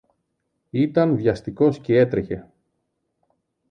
Ήταν βιαστικός κι έτρεχε.